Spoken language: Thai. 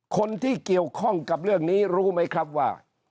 คนที่เกี่ยวข้องกับเรื่องนี้รู้ไหมครับว่า